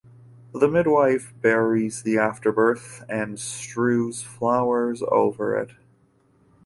The midwife buries the afterbirth and strews flowers over it.